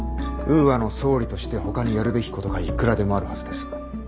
ウーアの総理としてほかにやるべきことがいくらでもあるはずです。